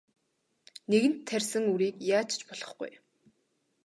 Нэгэнт тарьсан үрийг яаж ч болохгүй.